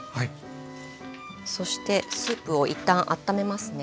そしてスープを一旦あっためますね。